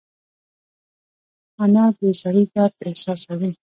انا د سړي درد احساسوي